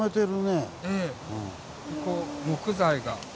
ここ木材が。